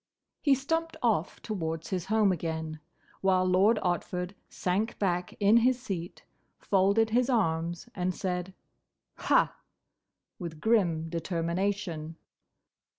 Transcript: He stumped off towards his home again, while Lord Otford sank back in his seat, folded his arms, and said, "Ha!" with grim determination.